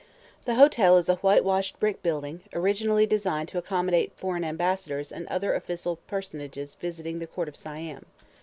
The hotel is a whitewashed brick building, originally designed to accommodate foreign ambassadors and other official personages visiting the Court of Siam.